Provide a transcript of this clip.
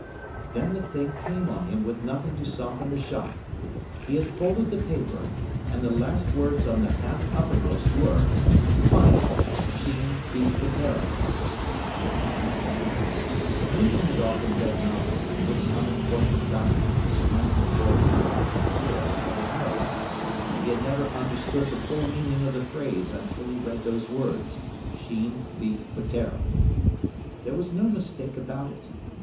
Then the thing came on him with nothing to soften the shock. He had folded the paper, and the last words on the half uppermost were, "Final. Sheen beat Peteiro". Linton had often read novels in which some important document "swam before the eyes" of the hero or the heroine; but he had never understood the full meaning of the phrase until he read those words, "Sheen beat Peteiro". There was no mistake about it.